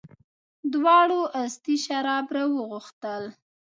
دواړو استي شراب راوغوښتل.